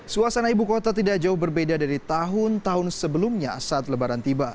suasana ibu kota tidak jauh berbeda dari tahun tahun sebelumnya saat lebaran tiba